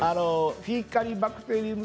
フィーカリバクテリウム